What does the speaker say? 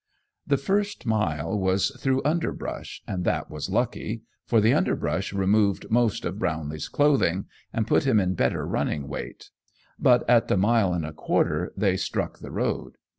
The first mile was through underbrush, and that was lucky, for the underbrush removed most of Brownlee's clothing, and put him in better running weight, but at the mile and a quarter they struck the road.